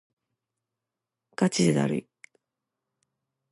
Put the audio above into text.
ガチでだるい